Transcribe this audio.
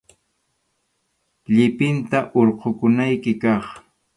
Llipinta hurqukunayki kaq.